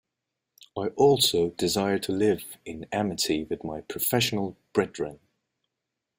I also desire to live in amity with my professional brethren.